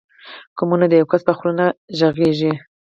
قومونه د یو کس په خوله نه غږېږي.